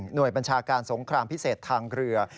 บัญชาการสงครามพิเศษทางเรือ